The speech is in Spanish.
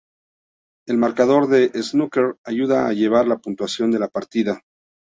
El marcador de snooker ayuda a llevar la puntuación de la partida.